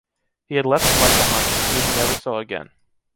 He had left his wife behind, whom he never saw again.